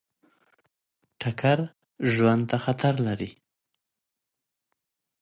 ټکر ژوند ته خطر لري.